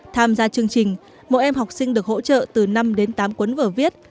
tham gia chương trình mỗi em học sinh được hỗ trợ từ năm đến tám cuốn vở viết